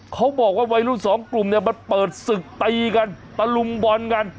เขาบอกว่าวัยรุ่นสองกลุ่มเนี่ยมันเปิดศึกตีกันตะลุมบอลกัน